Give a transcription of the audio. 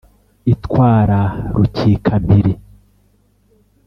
itwara rukikampiri